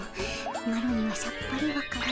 マロにはさっぱりわからぬ。